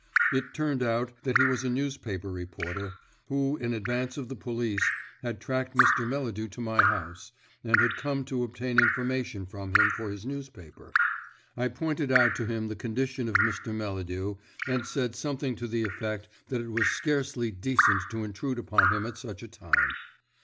It turned out that he was a newspaper reporter, who, in advance of the police, had tracked Mr. Melladew to my house, and had come to obtain information from him for his newspaper. I pointed out to him the condition of Mr. Melladew, and said something to the effect that it was scarcely decent to intrude upon him at such a time.